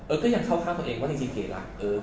เอิร์กก็ยังเข้าข้างตัวเองว่าจริงเกรียรักเอิร์ก